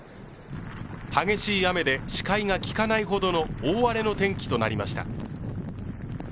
激しい雨で視界がきかないほどの大荒れの天気となりました。